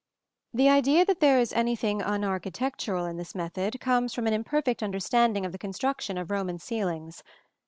The idea that there is anything unarchitectural in this method comes from an imperfect understanding of the construction of Roman ceilings.